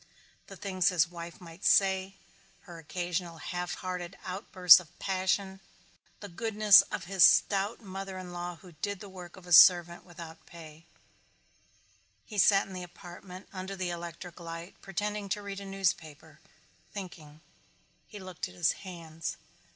The things his wife might say, her occasional half hearted outbursts of passion, the goodness of his stout mother in law who did the work of a servant without pay He sat in the apartment under the electric light pretending to read a newspaper thinking. He looked at his hands.